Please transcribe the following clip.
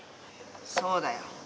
そうだよ。